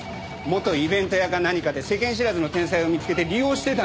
元イベント屋か何かで世間知らずの天才を見つけて利用してたんですよ。